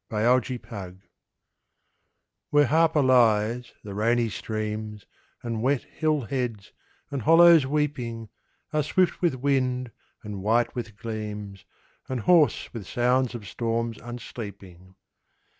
Charles Harpur Where Harpur lies, the rainy streams, And wet hill heads, and hollows weeping, Are swift with wind, and white with gleams, And hoarse with sounds of storms unsleeping.